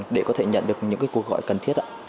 để có thể nhận được những cuộc gọi cần thiết